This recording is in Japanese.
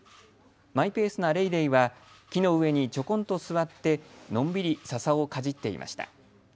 マイペースなレイレイは、木の上にちょこんと座って、のんびりささをかじっていました。